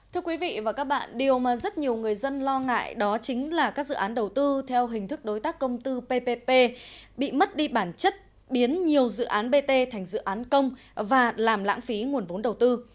thưa quý vị và các bạn điều mà rất nhiều người dân lo ngại đó chính là các dự án đầu tư theo hình thức đối tác công tư ppp bị mất đi bản chất biến nhiều dự án bt thành dự án công và làm lãng phí nguồn vốn đầu tư